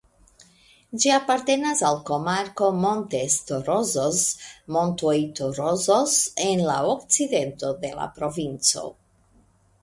Ĝi apartenas al komarko "Montes Torozos" (Montoj Torozos) en la okcidento de la provinco.